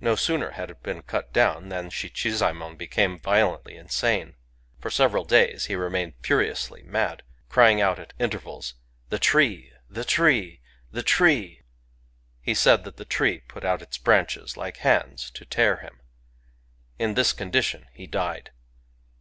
No tooner had it been cut down than Shichizaemon became violently intane. For teverd dayt he remained fuiioualy mad, crying out at intervals, The tree ! the tree I the tree !He taid that the tree put out itt branchet, like handt, to tear him. In thit condi tion he died.